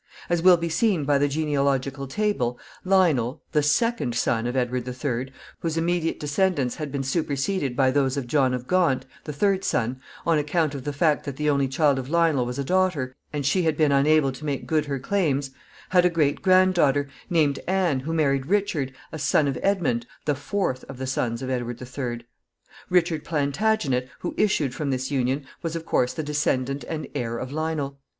As will be seen by the genealogical table, Lionel, the second son of Edward III. whose immediate descendants had been superseded by those of John of Gaunt, the third son, on account of the fact that the only child of Lionel was a daughter, and she had been unable to make good her claims had a great granddaughter, named Anne, who married Richard, a son of Edmund, the fourth of the sons of Edward III. Richard Plantagenet, who issued from this union, was, of course, the descendant and heir of Lionel.